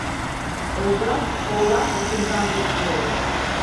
Olgaç oğlak bokundan betli olur.